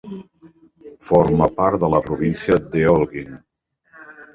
Forma part de la província d'Holguín.